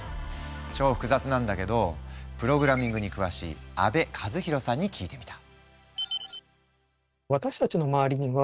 超複雑なんだけどプログラミングに詳しい阿部和広さんに聞いてみた。